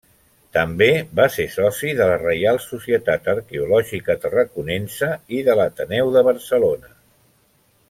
També va ser soci de la Reial Societat Arqueològica Tarraconense i de l'Ateneu de Barcelona.